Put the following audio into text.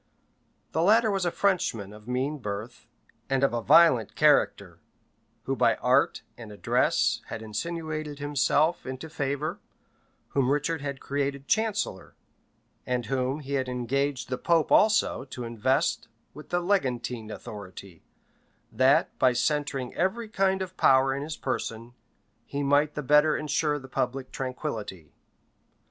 The latter was a Frenchman of mean birth, and of a violent character; who by art and address had insinuated himself into favor, whom Richard had created chancellor, and whom he had engaged the pope also to invest with the legantine authority, that, by centring every kind of power in his person, he might the better insure the public tranquillity.